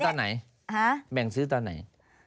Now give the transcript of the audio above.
แต่แบ่งซื้อตอนไหน